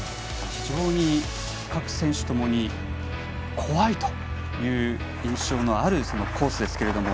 非常に各選手ともに怖いという印象のあるコースですが。